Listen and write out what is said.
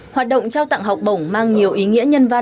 hoạt động trao tặng học bổng mang nhiều ý nghĩa nhân văn